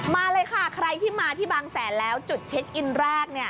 มาเลยค่ะใครที่มาที่บางแสนแล้วจุดเช็คอินแรกเนี่ย